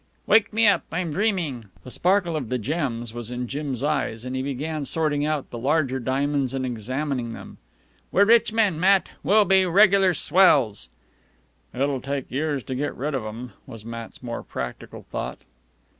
"Wake me up! I'm dreamin'!" The sparkle of the gems was in Jim's eyes, and he began sorting out the larger diamonds and examining them. "We're rich men, Matt we'll be regular swells." "It'll take years to get rid of 'em," was Matt's more practical thought.